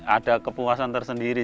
ada kepuasan tersendiri